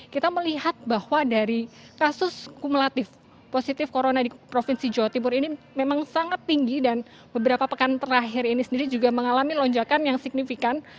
kita melihat bahwa dari kasus kumulatif positif corona di provinsi jawa timur ini memang sangat tinggi dan beberapa pekan terakhir ini sendiri juga mengalami lonjakan yang signifikan